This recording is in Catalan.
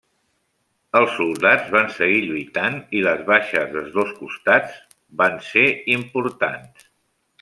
Els soldats van seguir lluitant i les baixes dels dos costats van ser importants.